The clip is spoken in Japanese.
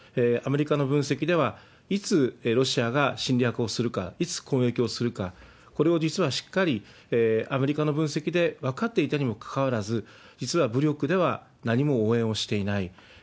アメリカの分析では、いつロシアが侵略をするか、いつ攻撃をするか、これを実はしっかりアメリカの分析で分かっていたにもかかわらず、実は武力では何も応援をしていない。